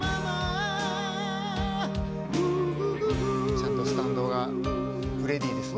ちゃんとスタンドがフレディですね。